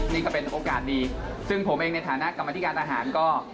นี่ก็เป็นโอกาสดีซึ่งผมเองในฐานะกรรมธิการอาหารก็